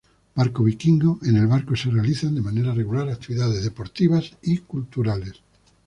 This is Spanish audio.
Barco vikingo: en el barco se realizan de manera regular actividades deportivas y culturales.